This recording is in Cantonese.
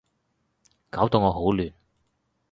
搞到我好亂